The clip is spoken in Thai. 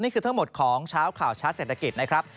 นี่คือทั้งหมดของเช้าข่าวชัดเศรษฐกิจนะครับ